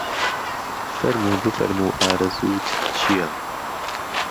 فهرموو بفهرموو ئارەزووت چییه